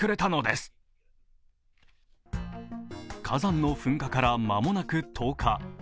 火山の噴火から間もなく１０日。